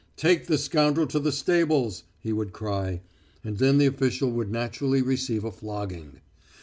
"Take the scoundrel to the stables!" he would cry. And then the official would naturally receive a flogging.